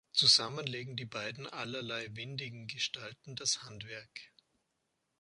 Zusammen legen die beiden allerlei windigen Gestalten das Handwerk.